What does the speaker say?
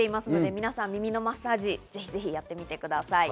皆さん、耳のマッサージやってみてください。